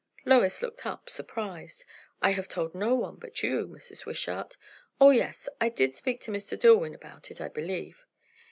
Lois looked up, surprised. "I have told no one but you, Mrs. Wishart. O yes! I did speak to Mr. Dillwyn about it, I believe."